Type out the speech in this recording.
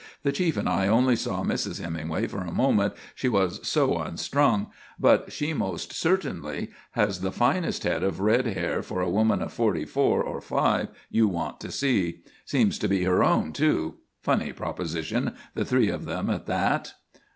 The chief and I only saw Mrs. Hemingway for a moment, she was so unstrung, but she most certainly has the finest head of red hair for a woman of forty four or five you want to see. Seems to be her own, too. Funny proposition, the three of them at that."